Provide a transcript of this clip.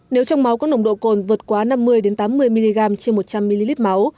nếu trong máu có nồng độ cồn vượt quá năm mươi tám mươi mg trên một trăm linh ml máu